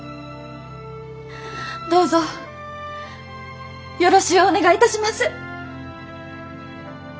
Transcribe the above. どうぞよろしゅうお願いいたします。